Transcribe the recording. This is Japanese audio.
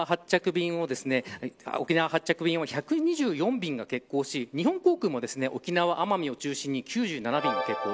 全日空の沖縄発着便は１２４便が欠航し、日本航空も沖縄や奄美を中心に９７便が欠航